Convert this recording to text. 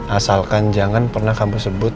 asalkan jangan pernah kamu sebut